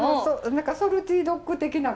何かソルティ・ドッグ的な感じで？